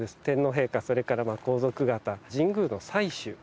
天皇陛下それから皇族方神宮の祭主